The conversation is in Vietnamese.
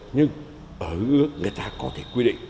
nhưng ở nước người ta có thể quy định